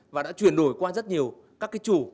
và đã chuyển đổi qua rất nhiều các cái chủ